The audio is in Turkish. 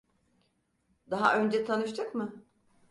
Daha önce tanıştık mı?